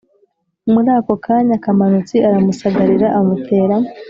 Muri ako kanya Kamanutsi aramusagarira amutera